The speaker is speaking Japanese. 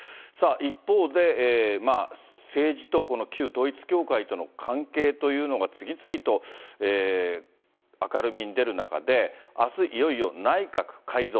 一方で、政治と旧統一教会との関係というのが、次々と明るみに出る中で、あす、いよいよ内閣改造。